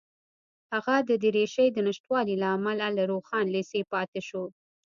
هغه د دریشۍ د نشتوالي له امله له روښان لېسې پاتې شو